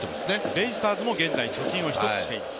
ベイスターズも現在、貯金を１つしています。